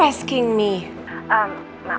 maaf bu kan anak kita ini sekelas